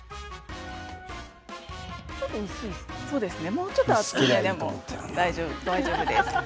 もうちょっと厚くても大丈夫です。